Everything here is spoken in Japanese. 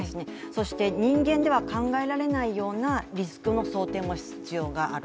そして人間では考えられないようなリスクの想定の必要がある。